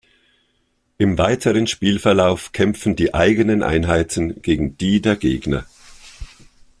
Im weiteren Spielverlauf kämpfen die eigenen Einheiten gegen die der Gegner.